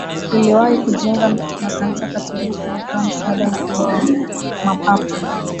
liliwahi kujiunga na Kanisa Katoliki likawa msaada mkubwa kwa Mapapa